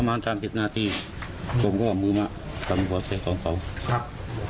ประมาณสามสิบนาทีผมก็เอามือมาทำหัวเสร็จของเขาครับ